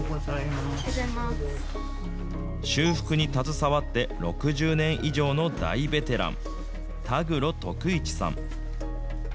修復に携わって６０年以上の大ベテラン、田畔徳一さん。